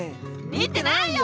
見てないよ！